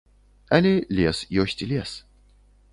Але лес ёсць лес.